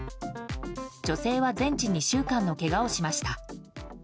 女性は全治２週間のけがをしました。